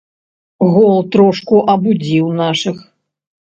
Гол трошку абудзіў нашых.